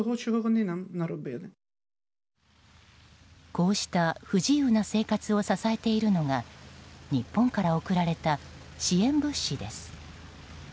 こうした不自由な生活を支えているのが日本から送られた支援物資です。